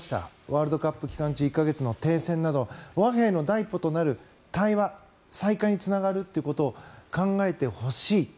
ワールドカップ期間中１か月の停戦など和平の第一歩となる対話再開につながるということを考えてほしい。